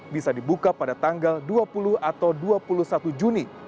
bisa dibuka pada tanggal dua puluh atau dua puluh satu juni